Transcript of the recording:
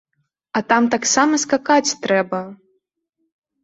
А там таксама скакаць трэба!